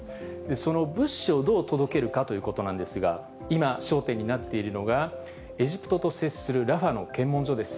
その物資をどう届けるかということなんですが、今、焦点になっているのが、エジプトと接するラファの検問所です。